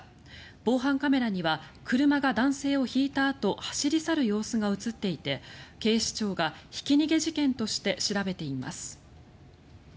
防犯カメラには車が男性をひいたあと走り去る様子が映っていて警視庁がひき逃げ事件として調べています。